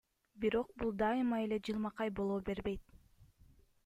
Бирок бул дайыма эле жылмакай боло бербейт.